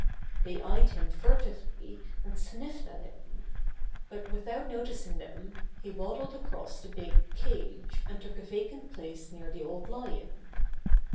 They eyed him fur tively an4 sniffed at him. But without notic ing them he waddled across the big cage and took a vacant place near the Old Lion.